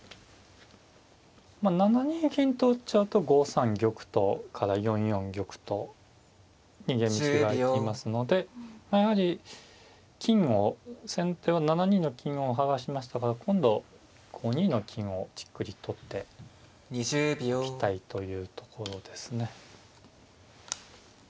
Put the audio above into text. まあ７二銀と打っちゃうと５三玉から４四玉と逃げ道があいていますのでやはり金を先手は７二の金を剥がしましたから今度５二の金をじっくり取っておきたいというところですね。